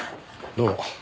どうも。